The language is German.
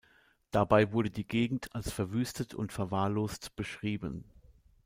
Dabei wurde die Gegend als verwüstet und verwahrlost beschrieben.